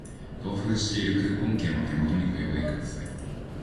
同封しているクーポン券を手元にご用意ください